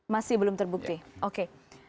masih belum terbukti oke